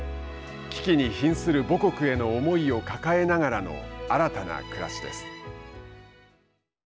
危機に瀕する母国への思いを抱えながらの新たな暮らしです。